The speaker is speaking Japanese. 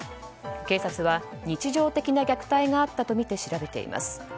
警察は日常的な虐待があったとみて調べています。